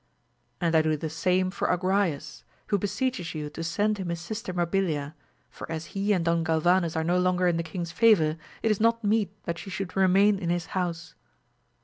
And I do the same for Agrayes, who beseeches you to send him his sister Mabilia, for as he and Don Gal vanes are no longer in the king's favour, it is not meet that she should remain in his house.